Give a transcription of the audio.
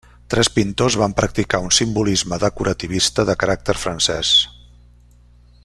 Tres pintors van practicar un simbolisme decorativista de caràcter francès.